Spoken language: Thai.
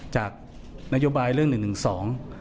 จากนโยบายเรื่อง๑๑๒